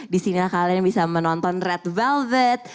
di sini kalian bisa menonton red velvet